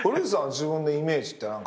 自分のイメージって何か。